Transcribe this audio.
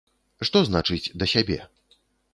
Што значыць да сябе?